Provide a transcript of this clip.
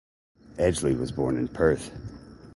Edgley was born in Perth.